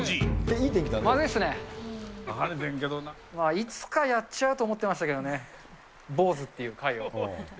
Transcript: いつかやっちゃうと思ってましたけどね、ボウズっていう回を。